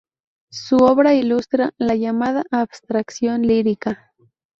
Su obra ilustra la llamada abstracción lírica.